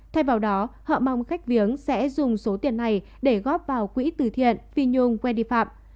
thay vào đó họ mong khách viếng sẽ dùng số tiền này để góp vào quỹ từ thiện phi nhung que đi phạm